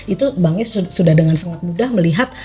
itu banknya sudah dengan sangat mudah melihat